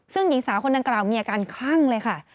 ซึ่งหญิงสาวคนดังกล่าวมีอาการคลั่งเลยค่ะ